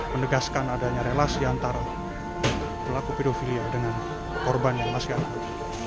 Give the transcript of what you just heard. menegaskan adanya relasi antara pelaku pedofilia dengan korban yang masih anakku